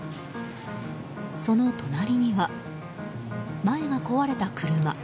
その隣には、前が壊れた車。